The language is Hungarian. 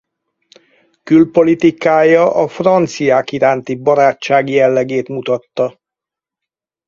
Külpolitikája a franciák iránti barátság jellegét mutatta.